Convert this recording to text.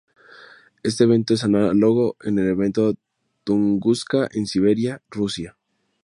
Este evento es análogo al evento de Tunguska en Siberia, Rusia.